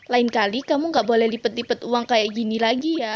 lain kali kamu gak boleh lipat lipat uang kayak gini lagi ya